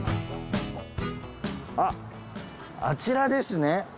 あっあちらですね。